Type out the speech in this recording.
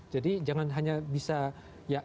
jadi jangan hanya bisa ya impor